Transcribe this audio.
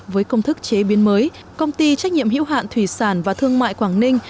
với công thức chế biến mới công ty trách nhiệm hữu hạn thủy sản và thương mại quảng ninh